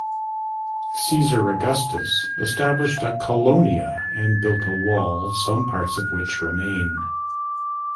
Caesar Augustus established a "colonia", and built a wall, some parts of which remain.